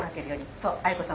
そう愛子さん